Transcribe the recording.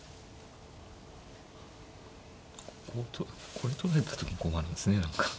これ取られた時に困るんですね何か。